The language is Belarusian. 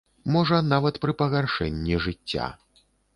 Можа, нават пры пагаршэнні жыцця.